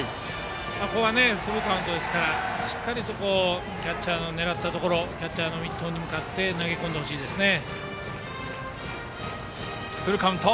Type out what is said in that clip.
ここはフルカウントですからしっかりとキャッチャーのミットへ向かって投げ込んでほしいですね。